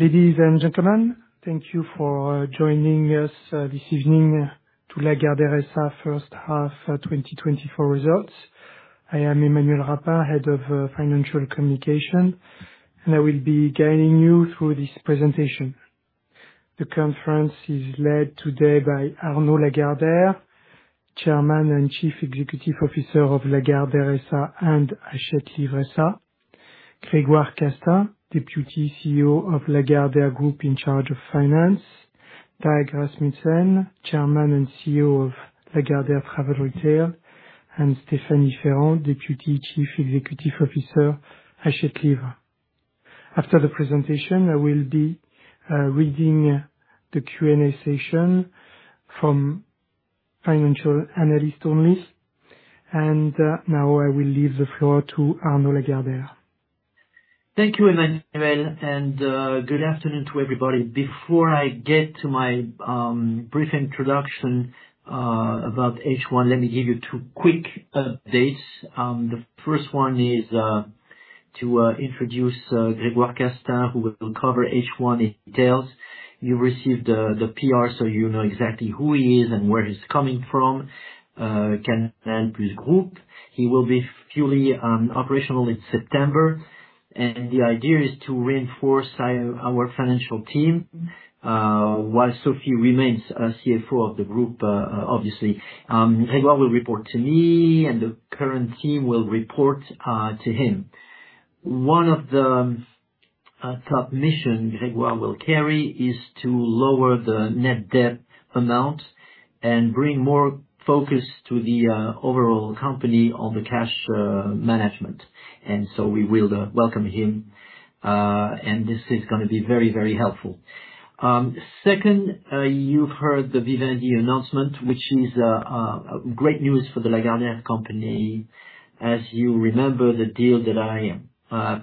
Ladies and gentlemen, thank you for joining us this evening for Lagardère SA first half 2024 results. I am Emmanuel Rapin, head of financial communication, and I will be guiding you through this presentation. The conference is led today by Arnaud Lagardère, Chairman and Chief Executive Officer of Lagardère SA and Hachette Livre SA; Grégoire Castaing, Deputy CEO of Lagardère Group in charge of finance; Dag Rasmussen, Chairman and CEO of Lagardère Travel Retail; and Stéphanie Ferran, Deputy Chief Executive Officer Hachette Livre. After the presentation, I will be reading the Q&A session from financial analysts only, and now I will leave the floor to Arnaud Lagardère. Thank you, Emmanuel, and good afternoon to everybody. Before I get to my brief introduction about H1, let me give you two quick updates. The first one is to introduce Grégoire Castaing, who will cover H1 in detail. You've received the PR, so you know exactly who he is and where he's coming from, Canal+ Group. He will be fully operational in September, and the idea is to reinforce our financial team while Sophie remains CFO of the group, obviously. Grégoire will report to me, and the current team will report to him. One of the top missions Grégoire will carry is to lower the net debt amount and bring more focus to the overall company on the cash management. And so we will welcome him, and this is going to be very, very helpful. Second, you've heard the Vivendi announcement, which is great news for the Lagardère company. As you remember, the deal that I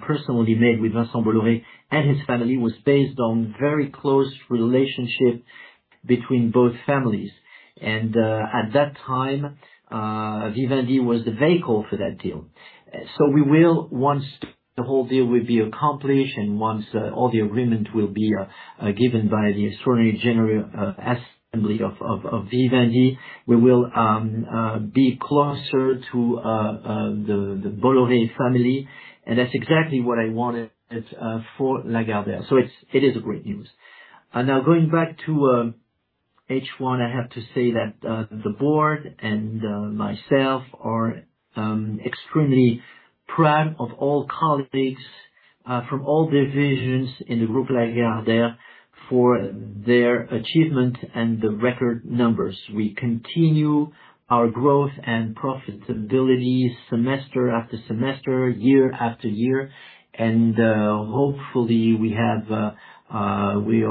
personally made with Vincent Bolloré and his family was based on a very close relationship between both families. At that time, Vivendi was the vehicle for that deal. We will, once the whole deal will be accomplished and once all the agreements will be given by the extraordinary general assembly of Vivendi, we will be closer to the Bolloré family. That's exactly what I wanted for Lagardère. It is great news. Now, going back to H1, I have to say that the board and myself are extremely proud of all colleagues from all divisions in the group Lagardère for their achievement and the record numbers. We continue our growth and profitability semester after semester, year after year, and hopefully we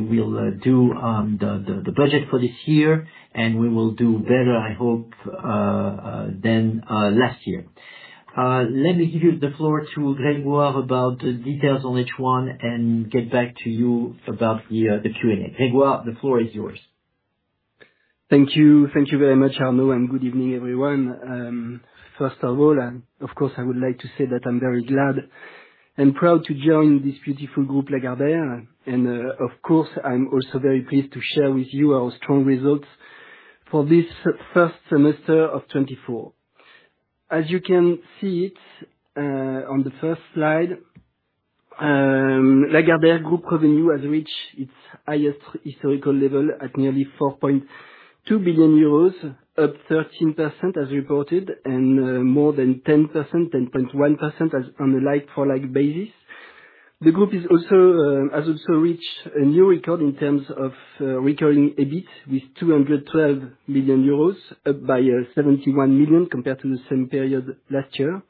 will do the budget for this year, and we will do better, I hope, than last year. Let me give you the floor to Grégoire about the details on H1 and get back to you about the Q&A. Grégoire, the floor is yours. Thank you. Thank you very much, Arnaud, and good evening, everyone. First of all, of course, I would like to say that I'm very glad and proud to join this beautiful group Lagardère. And of course, I'm also very pleased to share with you our strong results for this first semester of 2024. As you can see it on the first slide, Lagardère Group revenue has reached its highest historical level at nearly 4.2 billion euros, up 13% as reported and more than 10%, 10.1% on a like-for-like basis. The group has also reached a new record in terms of recurring EBIT with 212 million euros, up by 71 million compared to the same period last year.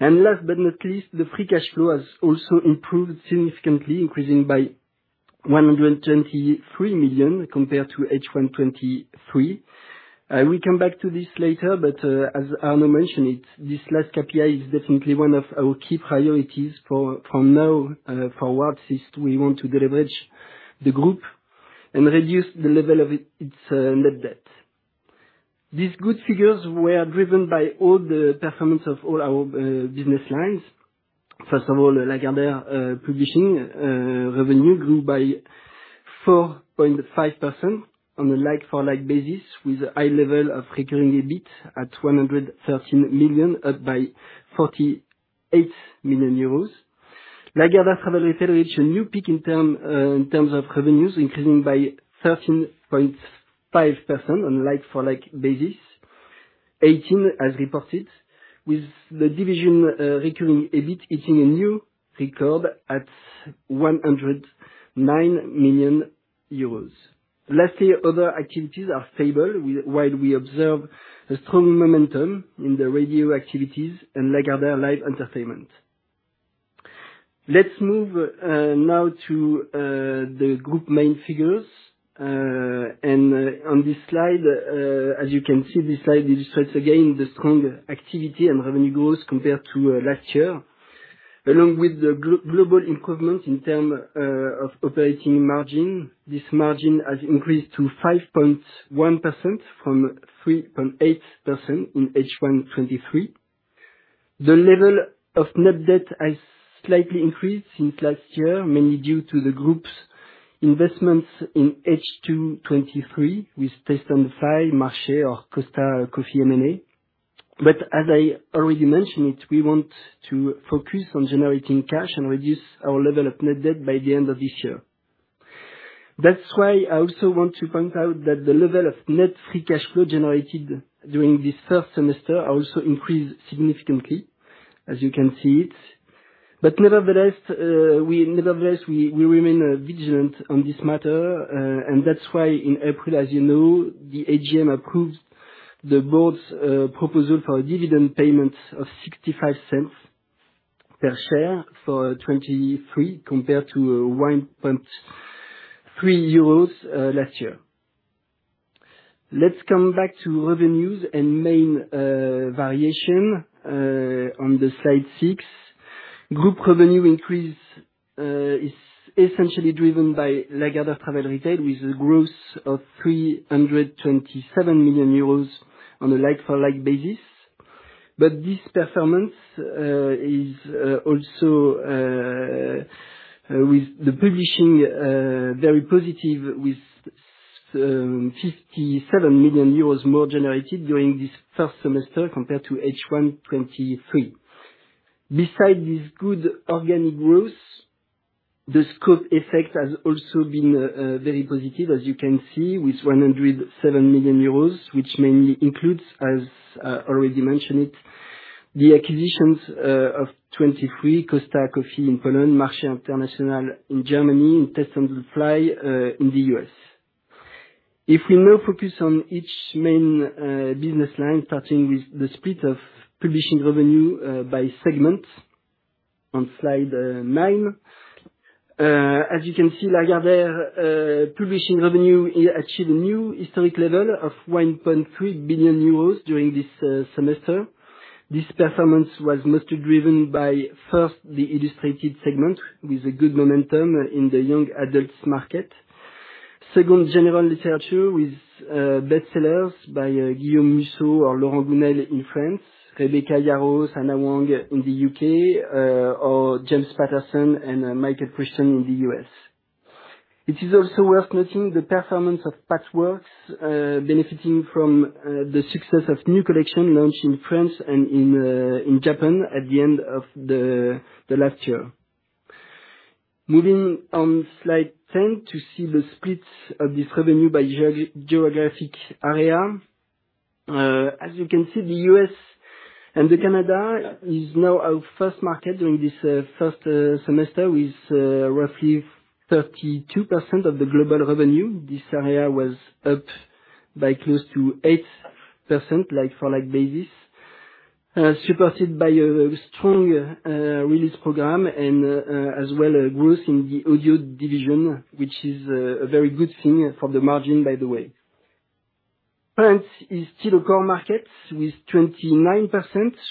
And last but not least, the free cash flow has also improved significantly, increasing by 123 million compared to H1 2023. We'll come back to this later, but as Arnaud mentioned, this last KPI is definitely one of our key priorities from now forward since we want to leverage the group and reduce the level of its net debt. These good figures were driven by all the performance of all our business lines. First of all, Lagardère Publishing revenue grew by 4.5% on a like-for-like basis with a high level of recurring EBIT at 113 million, up by 48 million euros. Lagardère Travel Retail reached a new peak in terms of revenues, increasing by 13.5% on a like-for-like basis, 18% as reported, with the division recurring EBIT hitting a new record at 109 million euros. Lastly, other activities are stable while we observe a strong momentum in the radio activities and Lagardère Live Entertainment. Let's move now to the group main figures. On this slide, as you can see, this slide illustrates again the strong activity and revenue growth compared to last year, along with the global improvement in terms of operating margin. This margin has increased to 5.1% from 3.8% in H1 2023. The level of net debt has slightly increased since last year, mainly due to the group's investments in H2 2023 with Tastes on the Fly, Marché, or Costa Coffee M&A. But as I already mentioned, we want to focus on generating cash and reduce our level of net debt by the end of this year. That's why I also want to point out that the level of net free cash flow generated during this first semester also increased significantly, as you can see it. Nevertheless, we remain vigilant on this matter. And that's why in April, as you know, the AGM approved the board's proposal for a dividend payment of 0.65 per share for 2023 compared to 1.3 euros last year. Let's come back to revenues and main variation on the slide 6. Group revenue increase is essentially driven by Lagardère Travel Retail with a growth of 327 million euros on a like-for-like basis. But this performance is also, with the publishing, very positive with 57 million euros more generated during this first semester compared to H1 2023. Besides this good organic growth, the scope effect has also been very positive, as you can see, with 107 million euros, which mainly includes, as I already mentioned, the acquisitions of 23 Costa Coffee in Poland, Marché International in Germany, and Tastes on the Fly in the U.S. If we now focus on each main business line, starting with the split of publishing revenue by segment on slide nine, as you can see, Lagardère Publishing revenue achieved a new historic level of 1.3 billion euros during this semester. This performance was mostly driven by, first, the illustrated segment with a good momentum in the young adults market. Second, general literature with bestsellers by Guillaume Musso or Laurent Gounelle in France, Rebecca Yarros, Ana Huang in the U.K., or James Patterson and Michael Crichton in the U.S. It is also worth noting the performance of Partworks, benefiting from the success of new collections launched in France and in Japan at the end of the last year. Moving on slide 10 to see the split of this revenue by geographic area. As you can see, the U.S. and Canada is now our first market during this first semester with roughly 32% of the global revenue. This area was up by close to 8% like-for-like basis, supported by a strong release program and as well a growth in the audio division, which is a very good thing for the margin, by the way. France is still a core market with 29%,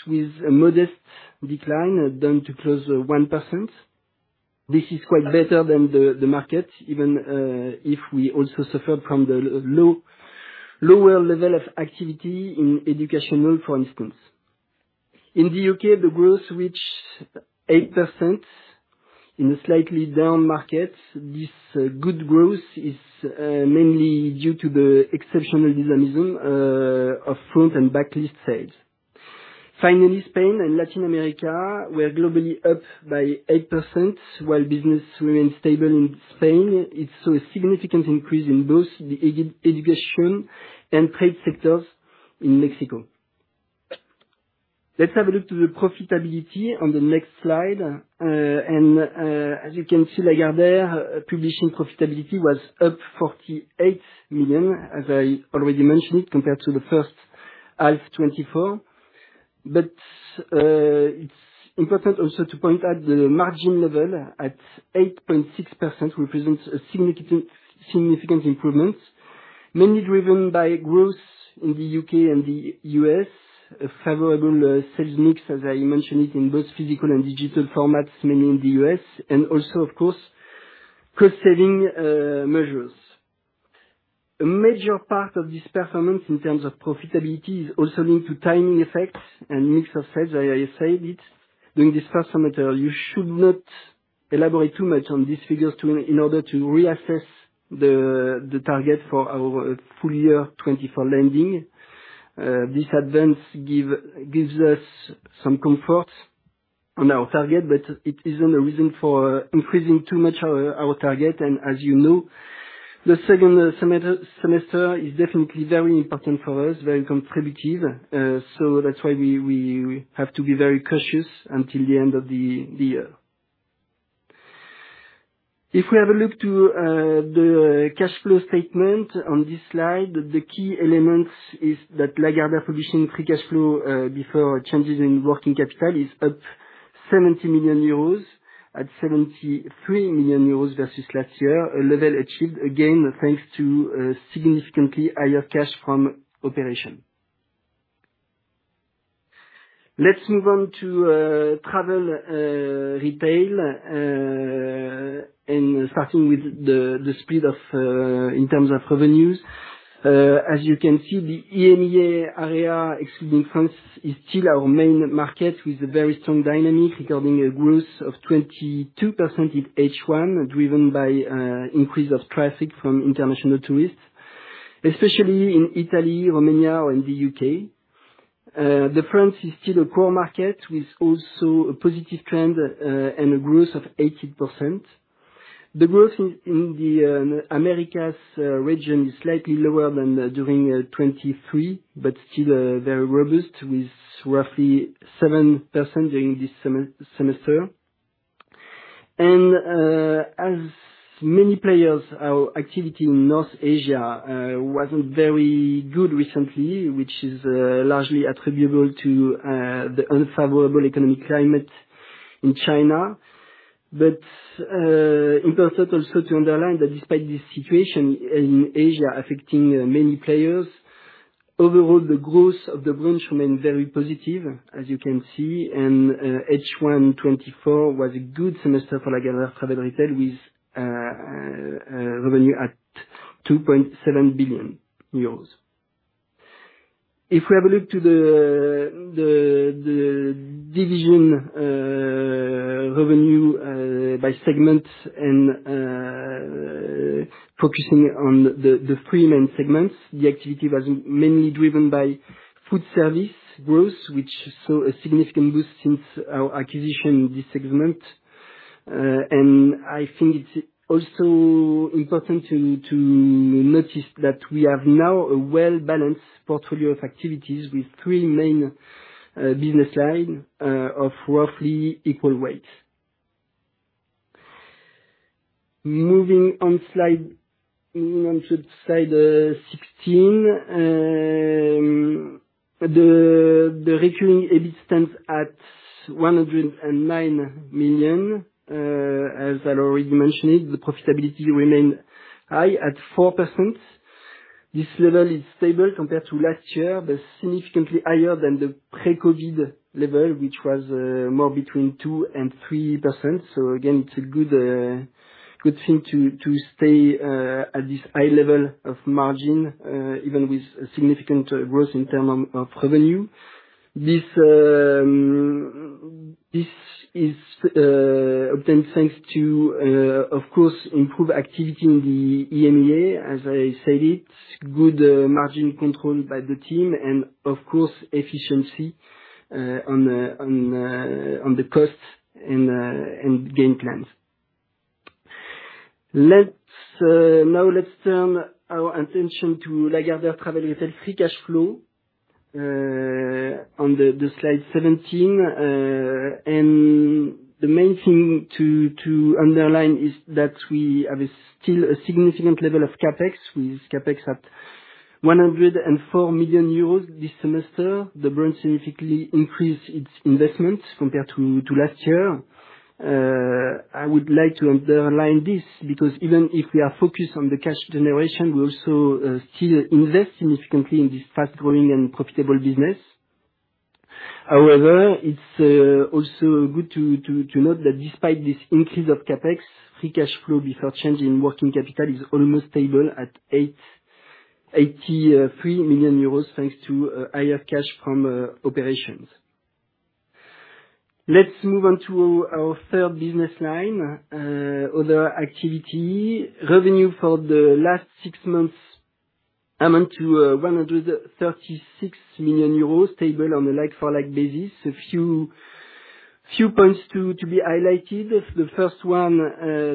with a modest decline down to close 1%. This is quite better than the market, even if we also suffered from the lower level of activity in educational, for instance. In the U.K., the growth reached 8% in a slightly down market. This good growth is mainly due to the exceptional dynamism of frontlist and backlist sales. Finally, Spain and Latin America were globally up by 8%, while business remained stable in Spain. It saw a significant increase in both the education and trade sectors in Mexico. Let's have a look to the profitability on the next slide. As you can see, Lagardère Publishing profitability was up 48 million, as I already mentioned, compared to the first half 2024. But it's important also to point out the margin level at 8.6% represents a significant improvement, mainly driven by growth in the U.K. and the U.S., a favorable sales mix, as I mentioned, in both physical and digital formats, mainly in the U.S., and also, of course, cost-saving measures. A major part of this performance in terms of profitability is also linked to timing effects and mix of sales, as I said. During this first semester, you should not elaborate too much on these figures in order to reassess the target for our full year 2024 landing. This advance gives us some comfort on our target, but it isn't a reason for increasing too much our target. As you know, the second semester is definitely very important for us, very contributive. That's why we have to be very cautious until the end of the year. If we have a look to the cash flow statement on this slide, the key element is that Lagardère Publishing free cash flow before changes in working capital is up 70 million euros at 73 million euros versus last year, a level achieved again thanks to significantly higher cash from operation. Let's move on to travel retail, starting with the split in terms of revenues. As you can see, the EMEA area excluding France is still our main market with a very strong dynamic, recording a growth of 22% in H1, driven by an increase of traffic from international tourists, especially in Italy, Romania, and the U.K. France is still a core market with also a positive trend and a growth of 80%. The growth in the Americas region is slightly lower than during 2023, but still very robust with roughly 7% during this semester. As many players, our activity in North Asia wasn't very good recently, which is largely attributable to the unfavorable economic climate in China. It was also to underline that despite this situation in Asia affecting many players, overall, the growth of the branch remained very positive, as you can see. H1 2024 was a good semester for Lagardère Travel Retail with revenue at 2.7 billion euros. If we have a look to the division revenue by segment and focusing on the three main segments, the activity was mainly driven by food service growth, which saw a significant boost since our acquisition this segment. And I think it's also important to notice that we have now a well-balanced portfolio of activities with three main business lines of roughly equal weight. Moving on to Slide 16, the recurring EBIT stands at 109 million. As I already mentioned, the profitability remained high at 4%. This level is stable compared to last year, but significantly higher than the pre-COVID level, which was more between 2% and 3%. So again, it's a good thing to stay at this high level of margin, even with significant growth in terms of revenue. This is obtained thanks to, of course, improved activity in the EMEA, as I said. It's good margin control by the team and, of course, efficiency on the cost and gain plans. Now let's turn our attention to Lagardère Travel Retail free cash flow on slide 17. The main thing to underline is that we have still a significant level of CapEx with CapEx at 104 million euros this semester. The brand significantly increased its investments compared to last year. I would like to underline this because even if we are focused on the cash generation, we also still invest significantly in this fast-growing and profitable business. However, it's also good to note that despite this increase of CapEx, free cash flow before change in working capital is almost stable at 83 million euros thanks to higher cash from operations. Let's move on to our third business line, other activity. Revenue for the last six months amounts to 136 million euros, stable on a like-for-like basis. A few points to be highlighted. The first one,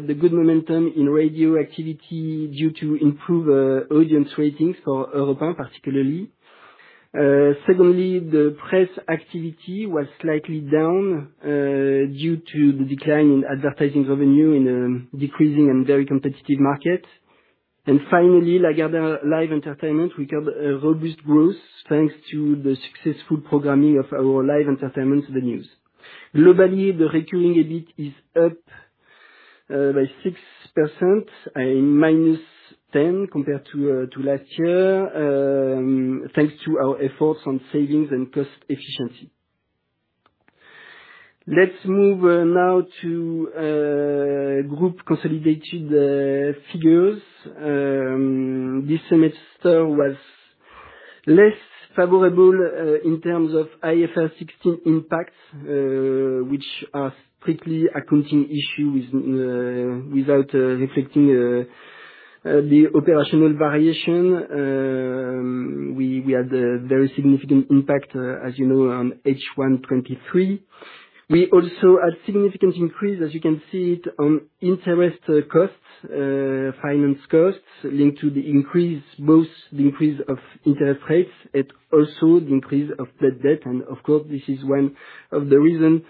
the good momentum in radio activity due to improved audience ratings for Europe 1 particularly. Secondly, the press activity was slightly down due to the decline in advertising revenue in a decreasing and very competitive market. Finally, Lagardère Live Entertainment recorded a robust growth thanks to the successful programming of our live entertainment venues. Globally, the recurring EBIT is up by 6%, -10 compared to last year, thanks to our efforts on savings and cost efficiency. Let's move now to group consolidated figures. This semester was less favorable in terms of IFRS 16 impacts, which are strictly accounting issues without reflecting the operational variation. We had a very significant impact, as you know, on H1 2023. We also had a significant increase, as you can see, on interest costs, finance costs linked to the increase, both the increase of interest rates and also the increase of debt. Of course, this is one of the reasons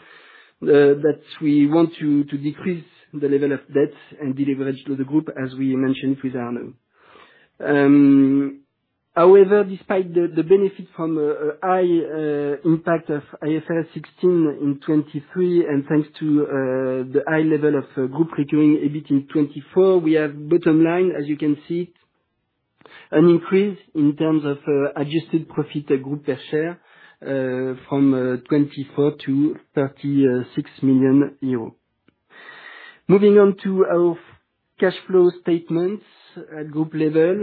that we want to decrease the level of debt and deleverage the group, as we mentioned with Arnaud. However, despite the benefit from a high impact of IFRS 16 in 2023 and thanks to the high level of group recurring EBIT in 2024, we have bottom line, as you can see, an increase in terms of adjusted profit group per share from 24 million to 36 million euros. Moving on to our cash flow statements at group level,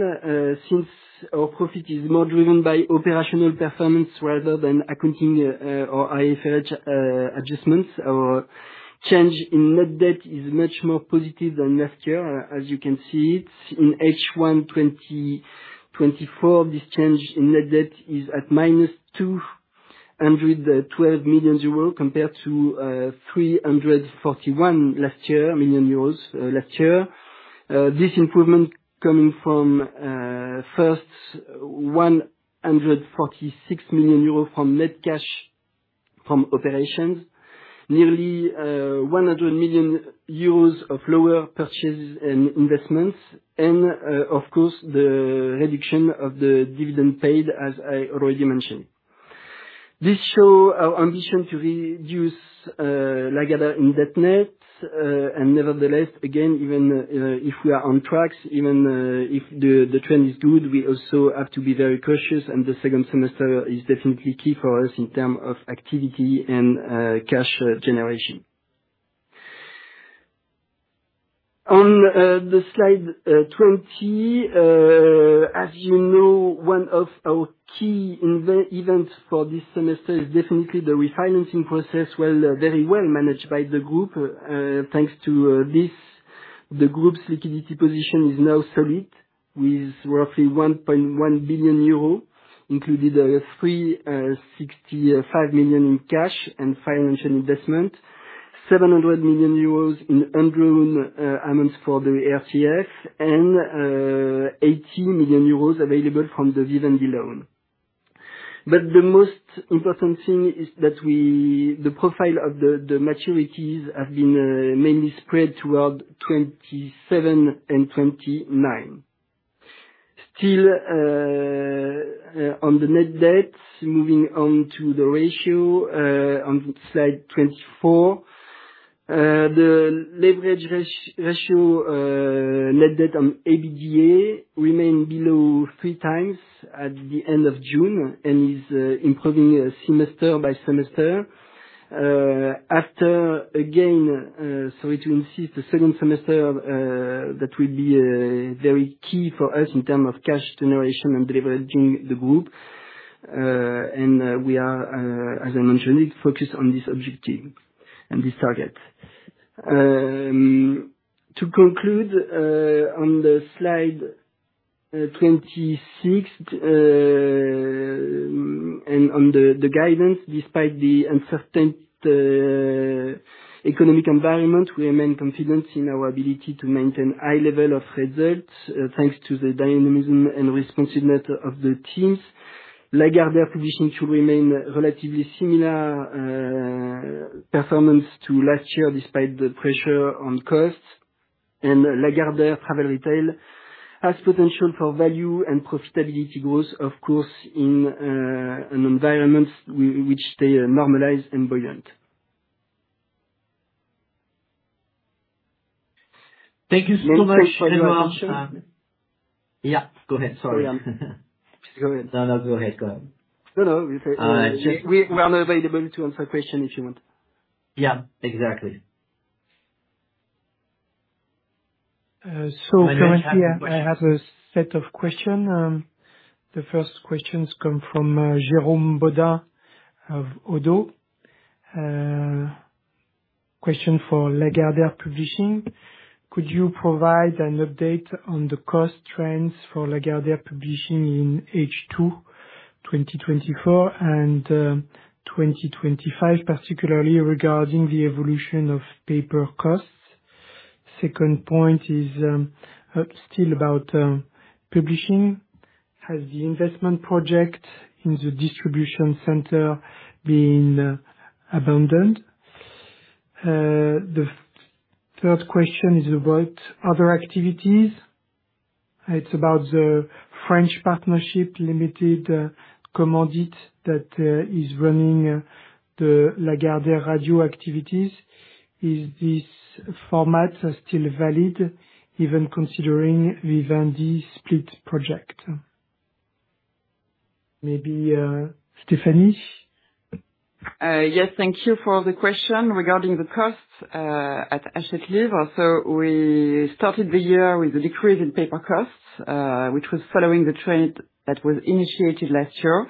since our profit is more driven by operational performance rather than accounting or IFRS adjustments, our change in net debt is much more positive than last year, as you can see. In H1 2024, this change in net debt is at minus 212 million euros compared to 341 million euros last year. This improvement coming from first 146 million euros from net cash from operations, nearly 100 million euros of lower purchases and investments, and of course, the reduction of the dividend paid, as I already mentioned. This shows our ambition to reduce Lagardère's net debt. Nevertheless, again, even if we are on track, even if the trend is good, we also have to be very cautious. The second semester is definitely key for us in terms of activity and cash generation. On the slide 20, as you know, one of our key events for this semester is definitely the refinancing process, very well managed by the group. Thanks to this, the group's liquidity position is now solid with roughly 1.1 billion euro, including 365 million in cash and financial investment, 700 million euros in unloaned amounts for the RCF, and 80 million euros available from the Vivendi loan. But the most important thing is that the profile of the maturities has been mainly spread toward 2027 and 2029. Still, on the net debt, moving on to the ratio on slide 24, the leverage ratio net debt on EBITDA remained below 3x at the end of June and is improving semester by semester. After, again, sorry to insist, the second semester that will be very key for us in terms of cash generation and leveraging the group. And we are, as I mentioned, focused on this objective and this target. To conclude on slide 26 and on the guidance, despite the uncertain economic environment, we remain confident in our ability to maintain high level of results thanks to the dynamism and responsiveness of the teams. Lagardère Publishing should remain relatively similar performance to last year despite the pressure on costs. Lagardère Travel Retail has potential for value and profitability growth, of course, in an environment which stays normalized and buoyant. Thank you so much. Yeah, go ahead. Sorry. No, no, go ahead. Go ahead. We're now available to answer questions if you want. Yeah, exactly. So currently, I have a set of questions. The first questions come from Jérôme Bodin of Oddo. Question for Lagardère Publishing. Could you provide an update on the cost trends for Lagardère Publishing in H2 2024 and 2025, particularly regarding the evolution of paper costs? Second point is still about publishing. Has the investment project in the distribution center been abandoned? The third question is about other activities. It's about the French partnership limited company that is running the Lagardère radio activities. Is this format still valid, even considering Vivendi split project? Maybe Stéphanie. Yes, thank you for the question regarding the costs at Hachette Livre. So we started the year with a decrease in paper costs, which was following the trend that was initiated last year.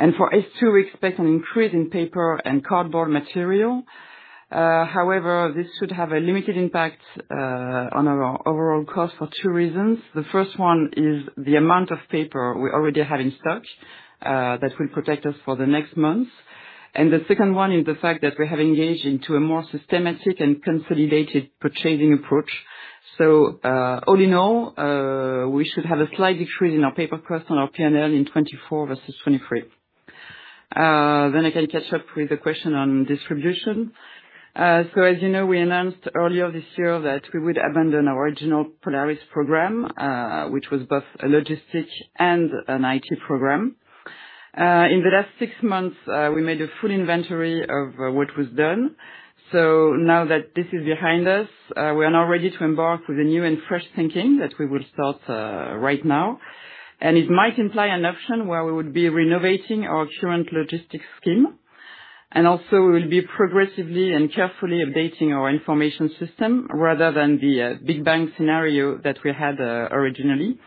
And for H2, we expect an increase in paper and cardboard material. However, this should have a limited impact on our overall cost for two reasons. The first one is the amount of paper we already have in stock that will protect us for the next months. And the second one is the fact that we have engaged into a more systematic and consolidated purchasing approach. So all in all, we should have a slight decrease in our paper costs on our P&L in 2024 versus 2023. Then I can catch up with the question on distribution. So as you know, we announced earlier this year that we would abandon our original Polaris program, which was both a logistics and an IT program. In the last six months, we made a full inventory of what was done. So now that this is behind us, we are now ready to embark with a new and fresh thinking that we will start right now. And it might imply an option where we would be renovating our current logistics scheme. And also, we will be progressively and carefully updating our information system rather than the big bang scenario that we had originally.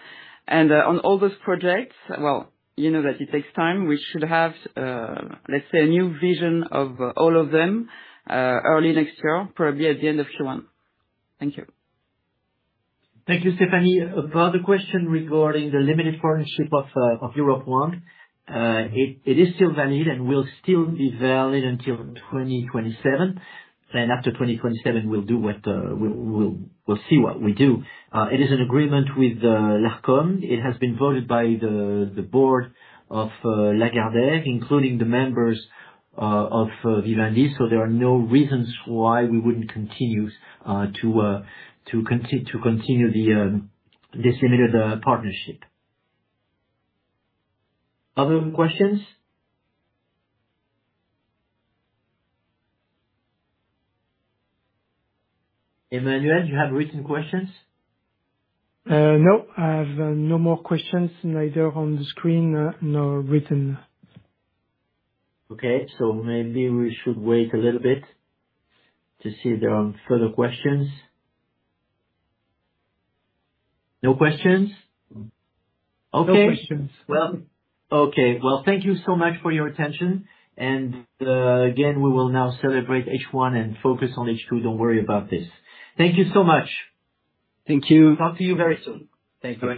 And on all those projects, well, you know that it takes time. We should have, let's say, a new vision of all of them early next year, probably at the end of Q1. Thank you. Thank you, Stéphanie. About the question regarding the limited partnership of Europe 1, it is still valid and will still be valid until 2027. And after 2027, we'll do what we'll see what we do. It is an agreement with l'Arcom. It has been voted by the board of Lagardère, including the members of Vivendi. So there are no reasons why we wouldn't continue to continue this limited partnership. Other questions? Emmanuel, you have written questions? No, I have no more questions, neither on the screen nor written. Okay. So maybe we should wait a little bit to see if there are further questions. No questions? Okay. No questions. Well, okay. Well, thank you so much for your attention. And again, we will now celebrate H1 and focus on H2. Don't worry about this. Thank you so much. Thank you. Talk to you very soon. Thank you.